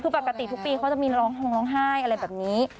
ปกติทุกปีเขาจะร้องอะไรแบบนี้